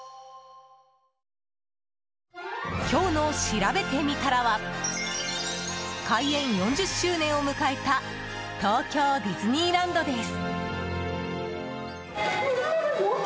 今日のしらべてみたらは開園４０周年を迎えた東京ディズニーランドです。